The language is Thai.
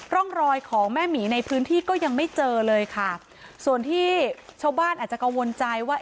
ร่องรอยของแม่หมีในพื้นที่ก็ยังไม่เจอเลยค่ะส่วนที่ชาวบ้านอาจจะกังวลใจว่า